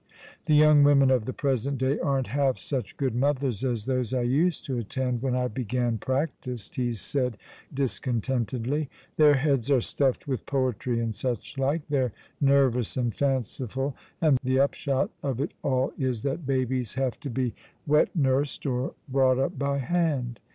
"The young women of the present day aren't half such good mothers as those I used to attend when I began practice," he said discontentedly. " Their heads are stuffed with poetry, and such like. They're nervous and fanciful — and the upshot of it all is that babies have to be wet nursed or brought up by hand.